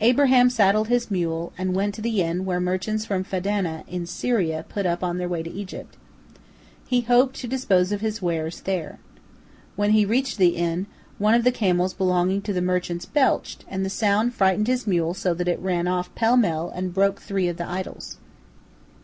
Abraham saddled his mule, and went to the inn where merchants from Fandana in Syria put up on their way to Egypt. He hoped to dispose of his wares there. When he reached the inn, one of the camels belonging to the merchants belched, and the sound frightened his mule so that it ran off pell mell and broke three of the idols.